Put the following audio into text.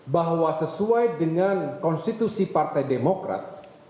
bahwa sesuai dengan konstitusi partai demokrat